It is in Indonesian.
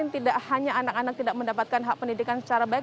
tidak hanya anak anak tidak mendapatkan hak pendidikan secara baik